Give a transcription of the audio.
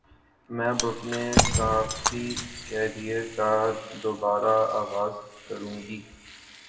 میں اب اپنے صحافتی کیریئر کا دوبارہ آغاز کرونگی